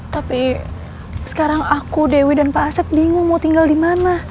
tapi sekarang aku dewi dan pak asep bingung mau tinggal di mana